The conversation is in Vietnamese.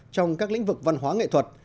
trong các lĩnh vực văn hóa nghệ thuật